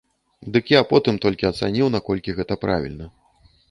Дык я потым толькі ацаніў, наколькі гэта правільна.